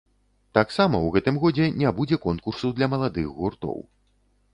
Таксама ў гэтым годзе не будзе конкурсу для маладых гуртоў.